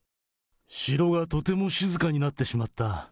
城がとても静かになってしまった。